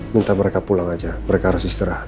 minta mereka pulang aja mereka harus istirahat